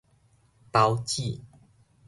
孢子